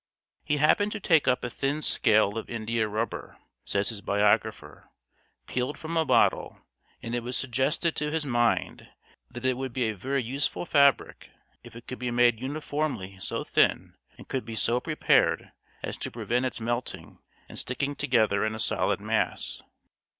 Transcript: "He happened to take up a thin scale of India rubber," says his biographer, "peeled from a bottle, and it was suggested to his mind that it would be a very useful fabric if it could be made uniformly so thin, and could be so prepared as to prevent its melting and sticking together in a solid mass."